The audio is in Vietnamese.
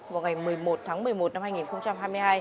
vào ngày một mươi một tháng một mươi một năm hai nghìn hai mươi hai